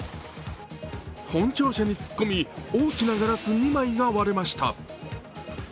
本庁舎に突っ込み、大きなガラス２枚が割れました。